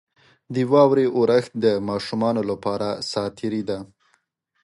• د واورې اورښت د ماشومانو لپاره ساتیري ده.